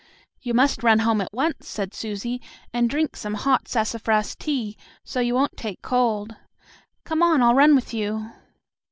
"You must run home at once," said Susie, "and drink some hot sassafras tea, so you won't take cold. Come on, I'll run with you."